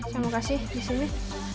saya mau kasih disini